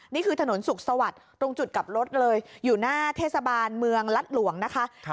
นี่คือถนนสุขสวัสดิ์ตรงจุดกลับรถเลยอยู่หน้าเทศบาลเมืองรัฐหลวงนะคะ